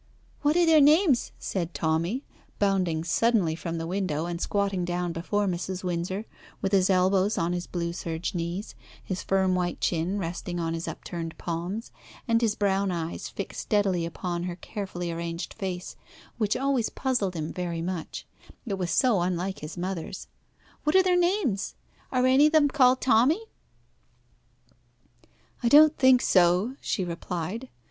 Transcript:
"What are their names?" said Tommy, bounding suddenly from the window and squatting down before Mrs. Windsor, with his elbows on his blue serge knees, his firm white chin resting on his upturned palms, and his brown eyes fixed steadily upon her carefully arranged face, which always puzzled him very much; it was so unlike his mother's. "What are their names? Are any of them called Tommy?" "I don't think so," she replied.